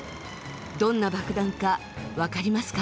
どんな爆弾か分かりますか？